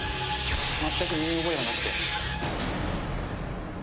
全く身に覚えがなくて。